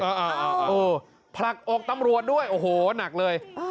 เออผลักอกตำรวจด้วยโอ้โหหนักเลย